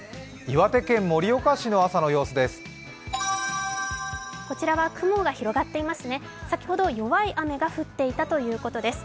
岩手県盛岡市の朝の様子です。